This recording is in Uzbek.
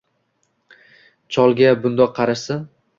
Cholga bundoq qarashsa